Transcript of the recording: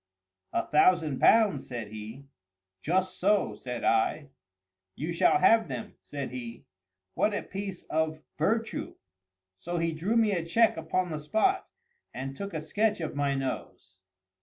"A thousand pounds?" said he. "Just so," said I. "You shall have them," said he. "What a piece of virtu!" So he drew me a check upon the spot, and took a sketch of my nose.